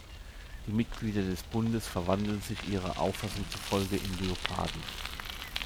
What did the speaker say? Die Mitglieder des Bundes verwandeln sich ihrer Auffassung zufolge in Leoparden.